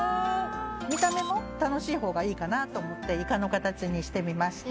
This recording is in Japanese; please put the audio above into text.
見た目も楽しい方がいいかなと思ってイカの形にしてみました。